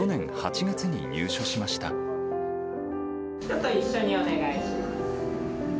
ちょっと一緒にお願いします。